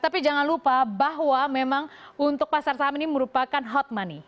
tapi jangan lupa bahwa memang untuk pasar saham ini merupakan hot money